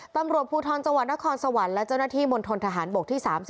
ตำรวจภูทรจังหวัดนครสวรรค์และเจ้าหน้าที่มณฑนทหารบกที่๓๐